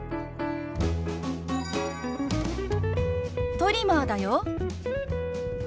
トリマーだよ。